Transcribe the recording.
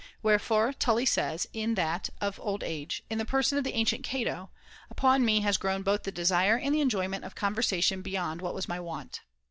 Wherefore Tully says in that Of Old Age, in the person of the ancient Cato :' Upon me has grown both the desire and the enjoy ment of conversation beyond what was my wont.'